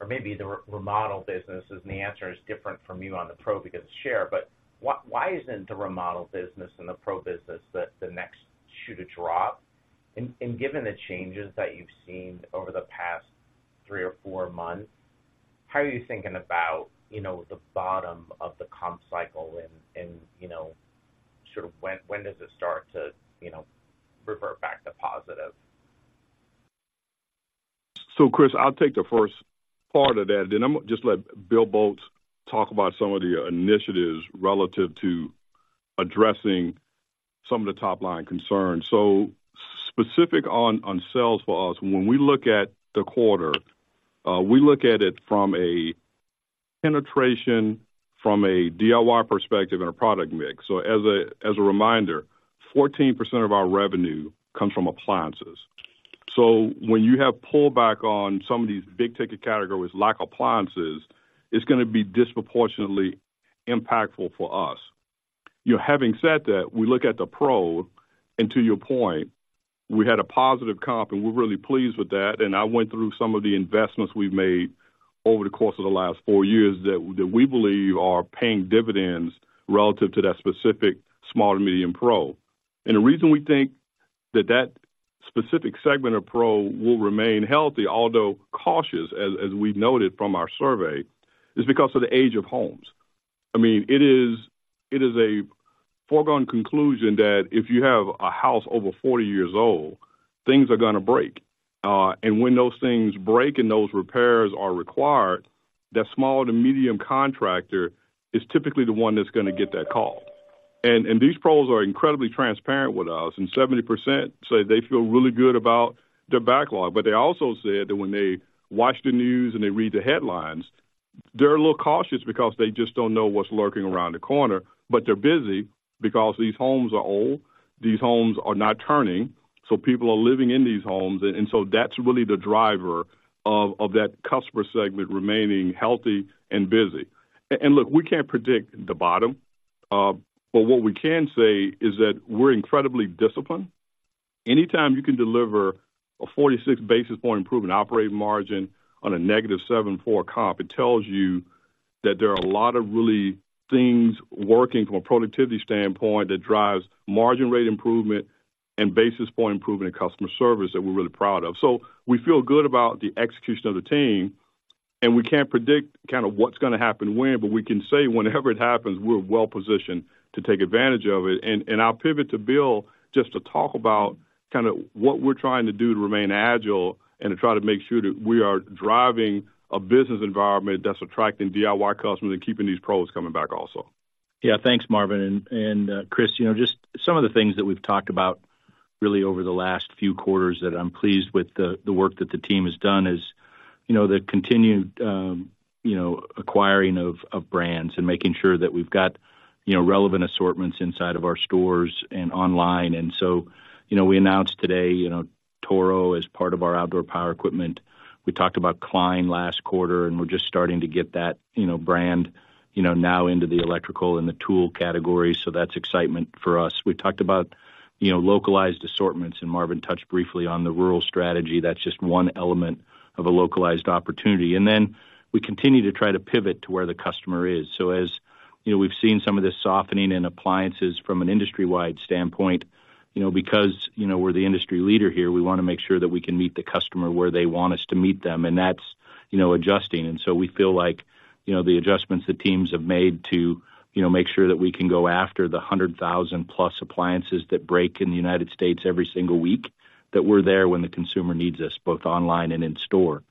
or maybe the remodel business, and the answer is different from you on the pro because of share, but why isn't the remodel business and the pro business the next shoe to drop? And given the changes that you've seen over the past three or four months, how are you thinking about, you know, the bottom of the comp cycle and, you know, sort of when does it start to, you know, revert back to positive? So, Chris, I'll take the first part of that, then I'm gonna just let Bill Boltz talk about some of the initiatives relative to addressing some of the top-line concerns. So specific on sales for us, when we look at the quarter, we look at it from a penetration, from a DIY perspective and a product mix. So as a reminder, 14% of our revenue comes from appliances. So when you have pullback on some of these big ticket categories like appliances, it's going to be disproportionately impactful for us. You know, having said that, we look at the pro, and to your point, we had a positive comp, and we're really pleased with that. And I went through some of the investments we've made over the course of the last 4 years that we believe are paying dividends relative to that specific small to medium Pro. And the reason we think that that specific segment of Pro will remain healthy, although cautious, as we've noted from our survey, is because of the age of homes. I mean, it is a foregone conclusion that if you have a house over 40 years old, things are going to break. And when those things break and those repairs are required, that small to medium contractor is typically the one that's going to get that call. And these Pros are incredibly transparent with us, and 70% say they feel really good about their backlog. But they also said that when they watch the news and they read the headlines, they're a little cautious because they just don't know what's lurking around the corner. But they're busy because these homes are old, these homes are not turning, so people are living in these homes. And so that's really the driver of, of that customer segment remaining healthy and busy. And look, we can't predict the bottom, but what we can say is that we're incredibly disciplined. Anytime you can deliver a 46 basis point improvement operating margin on a negative 7.4 comp, it tells you that there are a lot of real things working from a productivity standpoint that drives margin rate improvement and basis point improvement in customer service that we're really proud of. So we feel good about the execution of the team, and we can't predict kind of what's going to happen when, but we can say whenever it happens, we're well positioned to take advantage of it. And, and I'll pivot to Bill just to talk about kind of what we're trying to do to remain agile and to try to make sure that we are driving a business environment that's attracting DIY customers and keeping these pros coming back also. Yeah, thanks, Marvin. And, Chris, you know, just some of the things that we've talked about really over the last few quarters that I'm pleased with the work that the team has done is, you know, the continued, you know, acquiring of brands and making sure that we've got, you know, relevant assortments inside of our stores and online. And so, you know, we announced today, you know, Toro as part of our outdoor power equipment. We talked about, you know, Klein last quarter, and we're just starting to get that, you know, brand, you know, now into the electrical and the tool category. So that's excitement for us. We talked about, you know, localized assortments, and Marvin touched briefly on the rural strategy. That's just one element of a localized opportunity. And then we continue to try to pivot to where the customer is. So as, you know, we've seen some of this softening in appliances from an industry-wide standpoint, you know, because, you know, we're the industry leader here, we want to make sure that we can meet the customer where they want us to meet them, and that's, you know, adjusting. And so we feel like, you know, the adjustments the teams have made to, you know, make sure that we can go after the 100,000+ appliances that break in the United States every single week, that we're there when the consumer needs us, both online and in store.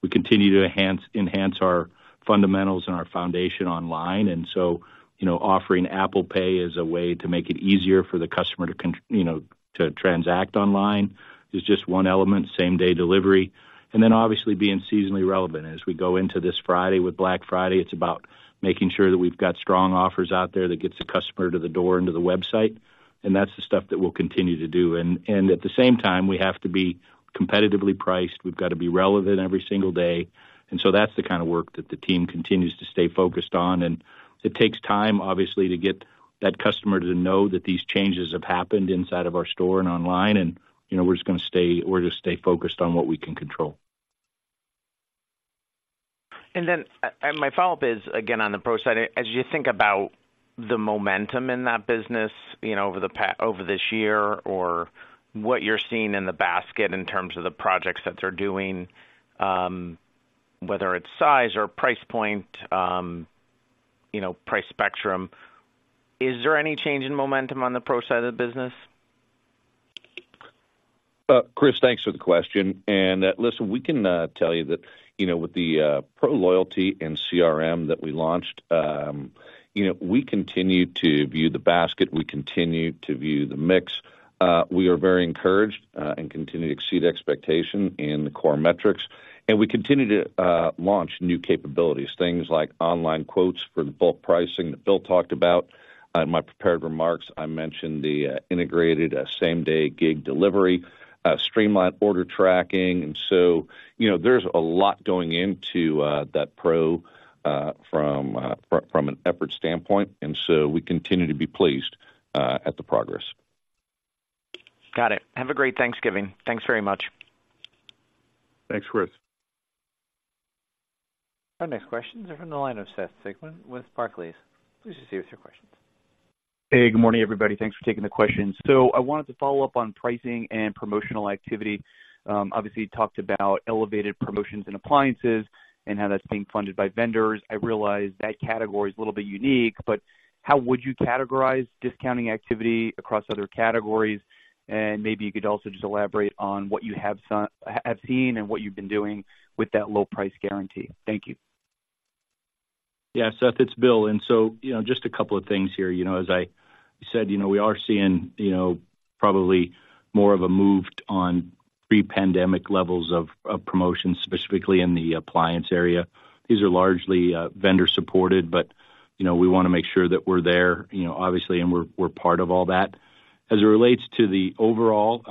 We continue to enhance, enhance our fundamentals and our foundation online. And so, you know, offering Apple Pay as a way to make it easier for the customer to con- you know, to transact online is just one element, same-day delivery, and then obviously being seasonally relevant. As we go into this Friday, with Black Friday, it's about making sure that we've got strong offers out there that gets the customer to the door and to the website, and that's the stuff that we'll continue to do. And at the same time, we have to be competitively priced. We've got to be relevant every single day. And so that's the kind of work that the team continues to stay focused on. And it takes time, obviously, to get that customer to know that these changes have happened inside of our store and online. And, you know, we're just going to stay. We're going to stay focused on what we can control. Then, my follow-up is, again, on the Pro side. As you think about the momentum in that business, you know, over this year, or what you're seeing in the basket in terms of the projects that they're doing, whether it's size or price point, you know, price spectrum, is there any change in momentum on the Pro side of the business? Chris, thanks for the question. And, listen, we can tell you that, you know, with the Pro loyalty and CRM that we launched, you know, we continue to view the basket, we continue to view the mix. We are very encouraged and continue to exceed expectation in the core metrics, and we continue to launch new capabilities, things like online quotes for the bulk pricing that Bill talked about. In my prepared remarks, I mentioned the integrated, same-day gig delivery, streamlined order tracking. And so, you know, there's a lot going into that Pro, from an effort standpoint, and so we continue to be pleased at the progress. Got it. Have a great Thanksgiving. Thanks very much. Thanks, Chris. Our next questions are from the line of Seth Sigman with Barclays. Please proceed with your questions. Hey, good morning, everybody. Thanks for taking the questions. So I wanted to follow up on pricing and promotional activity. Obviously, you talked about elevated promotions in appliances and how that's being funded by vendors. I realize that category is a little bit unique, but how would you categorize discounting activity across other categories? And maybe you could also just elaborate on what you have seen and what you've been doing with that Low Price Guarantee. Thank you. Yeah, Seth, it's Bill. And so, you know, just a couple of things here. You know, as I said, you know, we are seeing, you know, probably more of a move on pre-pandemic levels of promotion, specifically in the appliance area. These are largely vendor supported, but, you know, we wanna make sure that we're there, you know, obviously, and we're part of all that. As it relates to the overall,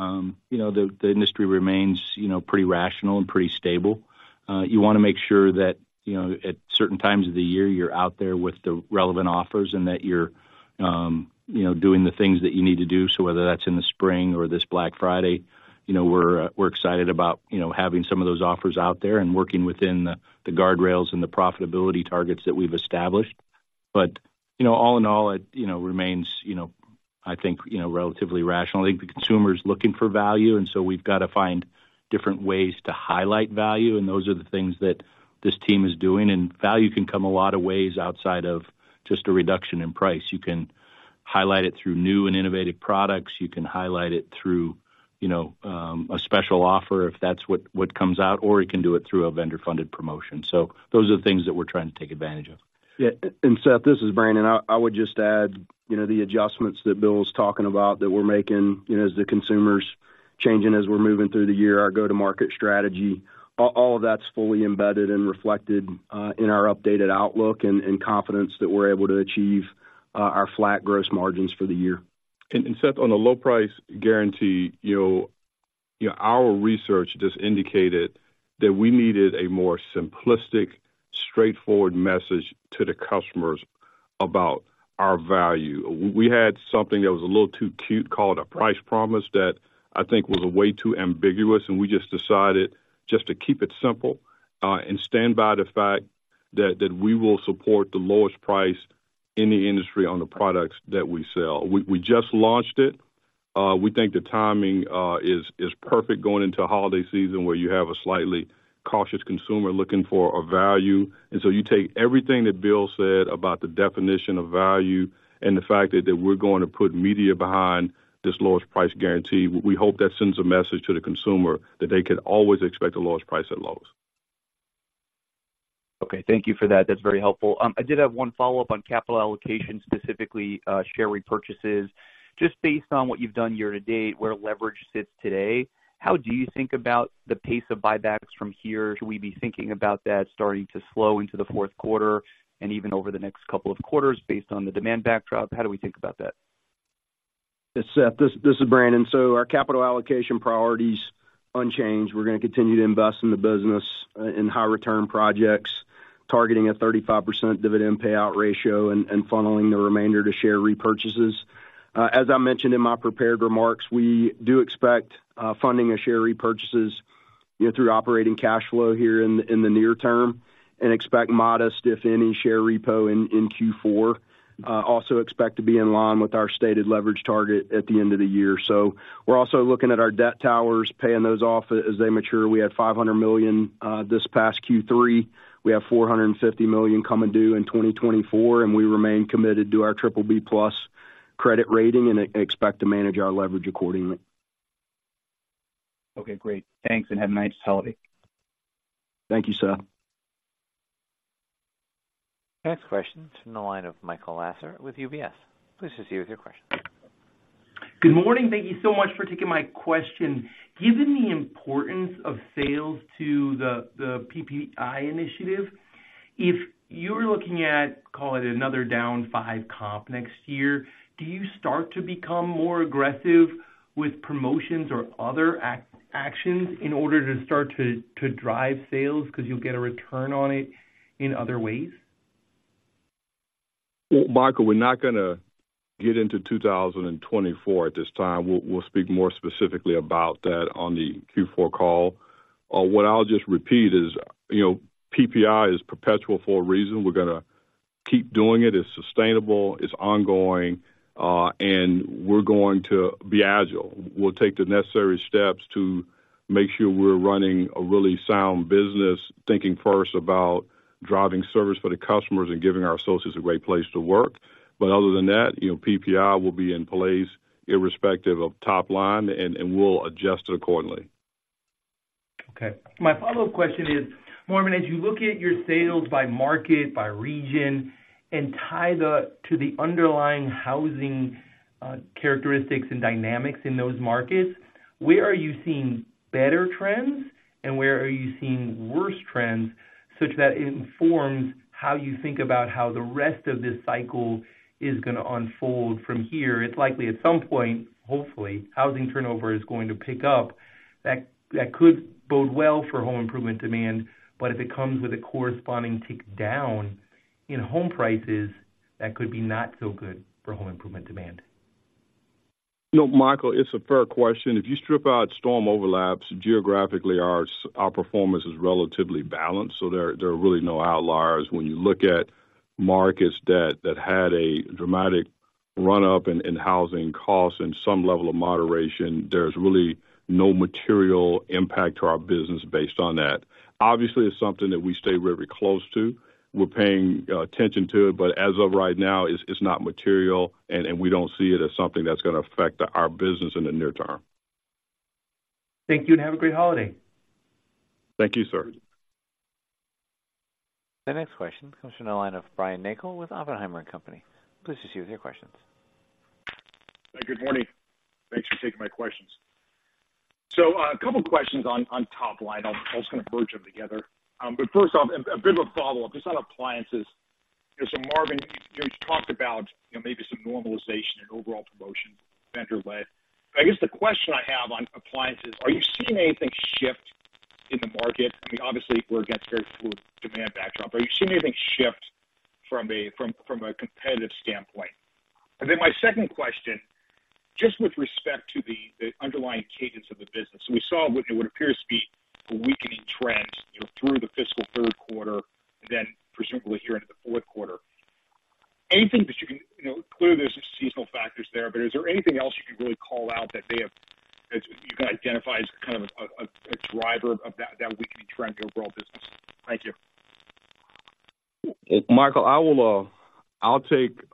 you know, the industry remains, you know, pretty rational and pretty stable. You wanna make sure that, you know, at certain times of the year, you're out there with the relevant offers and that you're, you know, doing the things that you need to do. So whether that's in the spring or this Black Friday, you know, we're excited about, you know, having some of those offers out there and working within the guardrails and the profitability targets that we've established. But, you know, all in all, it, you know, remains, you know, I think, you know, relatively rational. I think the consumer is looking for value, and so we've got to find different ways to highlight value, and those are the things that this team is doing. Value can come a lot of ways outside of just a reduction in price. You can highlight it through new and innovative products. You can highlight it through, you know, a special offer, if that's what comes out, or you can do it through a vendor-funded promotion. So those are the things that we're trying to take advantage of. Yeah, and Seth, this is Brandon. I would just add, you know, the adjustments that Bill's talking about that we're making, you know, as the consumer's changing, as we're moving through the year, our go-to-market strategy, all, all of that's fully embedded and reflected in our updated outlook and confidence that we're able to achieve our flat gross margins for the year. And Seth, on the Low price guarantee, you know, our research just indicated that we needed a more simplistic, straightforward message to the customers about our value. We had something that was a little too cute, called a Price Promise, that I think was way too ambiguous, and we just decided just to keep it simple and stand by the fact that we will support the lowest price in the industry on the products that we sell. We just launched it. We think the timing is perfect going into a holiday season where you have a slightly cautious consumer looking for a value. And so you take everything that Bill said about the definition of value and the fact that we're going to put media behind this Lowest Price Guarantee. We hope that sends a message to the consumer that they can always expect the lowest price at Lowe's. Okay, thank you for that. That's very helpful. I did have one follow-up on capital allocation, specifically, share repurchases. Just based on what you've done year to date, where leverage sits today, how do you think about the pace of buybacks from here? Should we be thinking about that starting to slow into the fourth quarter and even over the next couple of quarters based on the demand backdrop? How do we think about that? Seth, this, this is Brandon. So our capital allocation priority's unchanged. We're gonna continue to invest in the business, in high return projects, targeting a 35% dividend payout ratio and funneling the remainder to share repurchases. As I mentioned in my prepared remarks, we do expect funding of share repurchases, you know, through operating cash flow here in the near term, and expect modest, if any, share repo in Q4. Also expect to be in line with our stated leverage target at the end of the year. So we're also looking at our debt maturities, paying those off as they mature. We had $500 million this past Q3. We have $450 million coming due in 2024, and we remain committed to our BBB+ credit rating and expect to manage our leverage accordingly. Okay, great. Thanks, and have a nice holiday. Thank you, Seth. Next question from the line of Michael Lasser with UBS. Please proceed with your question. Good morning. Thank you so much for taking my question. Given the importance of sales to the PPI initiative, if you're looking at, call it, another down five comp next year, do you start to become more aggressive with promotions or other actions in order to start to drive sales because you'll get a return on it in other ways? Well, Michael, we're not gonna get into 2024 at this time. We'll, we'll speak more specifically about that on the Q4 call. What I'll just repeat is, you know, PPI is perpetual for a reason. We're gonna keep doing it. It's sustainable, it's ongoing, and we're going to be agile. We'll take the necessary steps to make sure we're running a really sound business, thinking first about driving service for the customers and giving our associates a great place to work. But other than that, you know, PPI will be in place irrespective of top line, and we'll adjust it accordingly. Okay. My follow-up question is, Marvin, as you look at your sales by market, by region, and tie that to the underlying housing, characteristics and dynamics in those markets, where are you seeing better trends, and where are you seeing worse trends, such that it informs how you think about how the rest of this cycle is gonna unfold from here? It's likely at some point, hopefully, housing turnover is going to pick up. That, that could bode well for home improvement demand, but if it comes with a corresponding tick down in home prices, that could be not so good for home improvement demand. You know, Michael, it's a fair question. If you strip out storm overlaps, geographically, our performance is relatively balanced, so there, there are really no outliers. When you look at markets that, that had a dramatic run-up in, in housing costs and some level of moderation, there's really no material impact to our business based on that. Obviously, it's something that we stay very close to. We're paying attention to it, but as of right now, it's, it's not material, and, and we don't see it as something that's gonna affect our business in the near term.... Thank you, and have a great holiday. Thank you, sir. The next question comes from the line of Brian Nagel with Oppenheimer and Company. Please proceed with your questions. Hi, good morning. Thanks for taking my questions. So, a couple questions on top line. I'll just kind of merge them together. But first off, a bit of a follow-up, just on appliances. So Marvin, you talked about, you know, maybe some normalization and overall promotion, vendor-led. I guess the question I have on appliances, are you seeing anything shift in the market? I mean, obviously, we're against very demand backdrop, but are you seeing anything shift from a competitive standpoint? And then my second question, just with respect to the underlying cadence of the business. We saw what would appear to be a weakening trend, you know, through the fiscal third quarter and then presumably here into the fourth quarter. Anything that you can... You know, clearly, there's some seasonal factors there, but is there anything else you can really call out that they have, that you can identify as kind of a driver of that weakening trend in your overall business? Thank you. Michael, I will. I'll take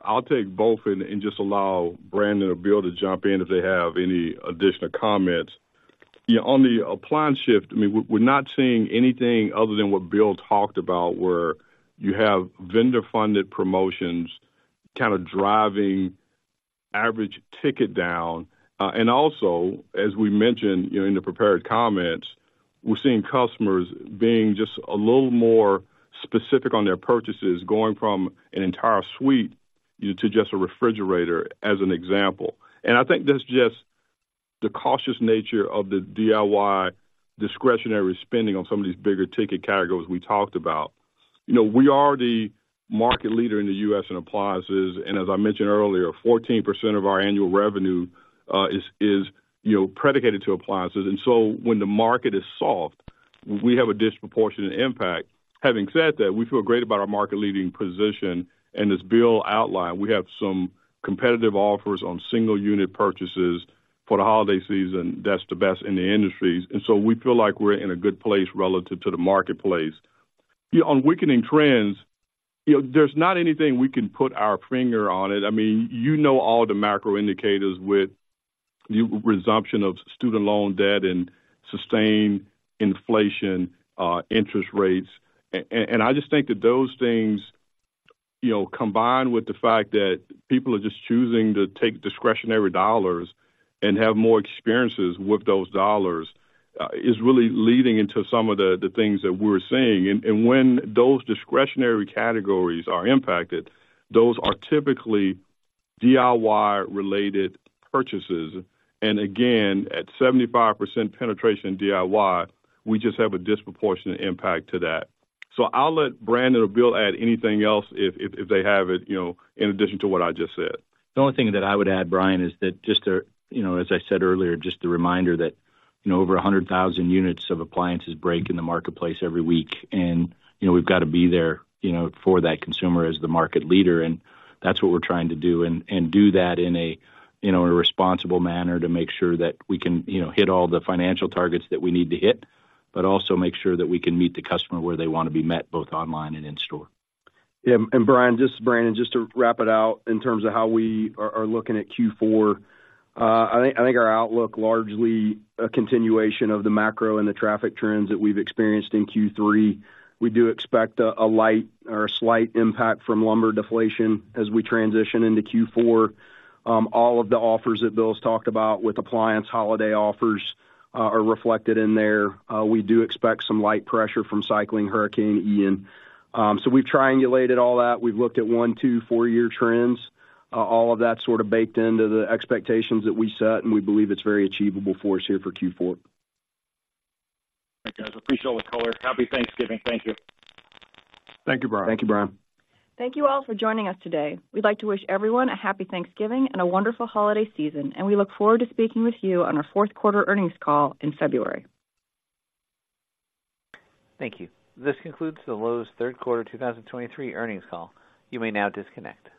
both and just allow Brandon or Bill to jump in if they have any additional comments. Yeah, on the appliance shift, I mean, we're not seeing anything other than what Bill talked about, where you have vendor-funded promotions kind of driving average ticket down. And also, as we mentioned, you know, in the prepared comments, we're seeing customers being just a little more specific on their purchases, going from an entire suite, you know, to just a refrigerator, as an example. And I think that's just the cautious nature of the DIY discretionary spending on some of these bigger ticket categories we talked about. You know, we are the market leader in the U.S. in appliances, and as I mentioned earlier, 14% of our annual revenue is predicated to appliances. And so when the market is soft, we have a disproportionate impact. Having said that, we feel great about our market-leading position, and as Bill outlined, we have some competitive offers on single-unit purchases for the holiday season that's the best in the industry. And so we feel like we're in a good place relative to the marketplace. On weakening trends, you know, there's not anything we can put our finger on it. I mean, you know all the macro indicators with the resumption of student loan debt and sustained inflation, interest rates. And I just think that those things, you know, combined with the fact that people are just choosing to take discretionary dollars and have more experiences with those dollars, is really leading into some of the things that we're seeing. And when those discretionary categories are impacted, those are typically DIY-related purchases. And again, at 75% penetration in DIY, we just have a disproportionate impact to that. So I'll let Brandon or Bill add anything else if they have it, you know, in addition to what I just said. The only thing that I would add, Brian, is that just to, you know, as I said earlier, just a reminder that, you know, over 100,000 units of appliances break in the marketplace every week. And, you know, we've got to be there, you know, for that consumer as the market leader, and that's what we're trying to do, and, and do that in a, you know, in a responsible manner to make sure that we can, you know, hit all the financial targets that we need to hit, but also make sure that we can meet the customer where they want to be met, both online and in store. Yeah, and Brian, this is Brandon. Just to wrap it out in terms of how we are looking at Q4. I think our outlook, largely a continuation of the macro and the traffic trends that we've experienced in Q3. We do expect a light or a slight impact from lumber deflation as we transition into Q4. All of the offers that Bill's talked about with appliance holiday offers are reflected in there. We do expect some light pressure from cycling Hurricane Ian. So we've triangulated all that. We've looked at 1-, 2-, 4-year trends. All of that sort of baked into the expectations that we set, and we believe it's very achievable for us here for Q4. Thanks, guys. I appreciate all the color. Happy Thanksgiving. Thank you. Thank you, Brian. Thank you, Brian. Thank you all for joining us today. We'd like to wish everyone a happy Thanksgiving and a wonderful holiday season, and we look forward to speaking with you on our fourth quarter earnings call in February. Thank you. This concludes the Lowe's third quarter 2023 earnings call. You may now disconnect.